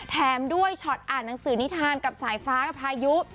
แถมด้วยช็อตอ่านหนังสือนิทานกับสายฟ้ากับพายุ